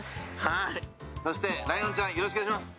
そしてライオンちゃんよろしくお願いします！